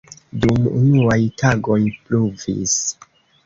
Dum unuaj tagoj pluvis.